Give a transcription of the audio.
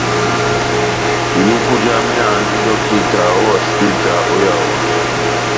Iluku jamɛ andi dɔkita ó hosipita ó Yaondɛ.